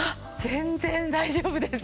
全然大丈夫です。